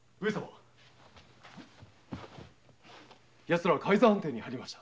やつらは海津藩邸に入りました。